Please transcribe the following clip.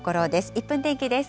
１分天気です。